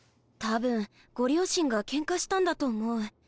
多分ご両親がケンカしたんだと思う。